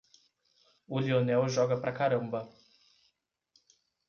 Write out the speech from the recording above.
O Lionel joga pra caramba.